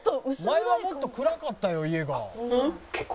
「前はもっと暗かったよ家が」